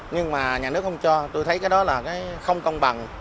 nhưng mà nhà nước không cho tôi thấy cái đó là cái không công bằng